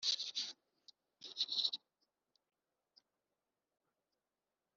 numuhanda wera unywa itabi inyuma ye hamwe nuwamufashe kungufu baramuta